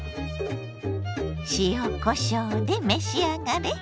塩こしょうで召し上がれ。